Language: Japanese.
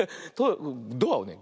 ドアをね